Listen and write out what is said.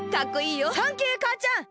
サンキューかあちゃん！